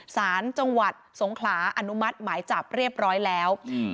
สารจังหวัดสงขลาอนุมัติหมายจับเรียบร้อยแล้วอืม